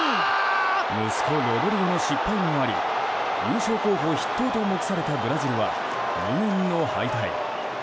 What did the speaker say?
息子ロドリゴの失敗もあり優勝候補筆頭と目されたブラジルは、無念の敗退。